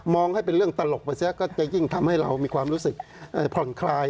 ให้เป็นเรื่องตลกไปเสียก็จะยิ่งทำให้เรามีความรู้สึกผ่อนคลาย